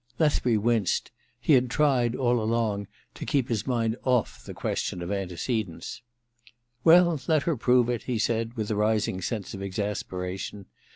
Lethbury winced : he had tried, all along, to keep his mind off the question of ante cedents. * Well, let her prove it,' he said, with a rising sense of exasperation.